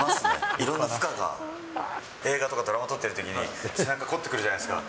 いろんな負荷が、映画とかドラマ撮ってるときに、背中凝ってくるじゃないですか。